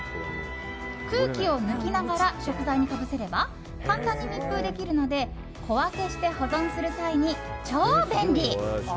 空気を抜きながら食材にかぶせれば簡単に密封できるので小分けして保存する際に超便利。